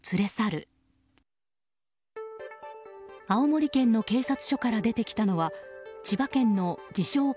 青森県の警察署から出てきたのは千葉県の自称